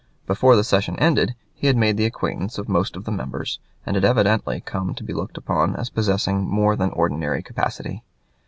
Before the session ended he had made the acquaintance of most of the members, and had evidently come to be looked upon as possessing more than ordinary capacity.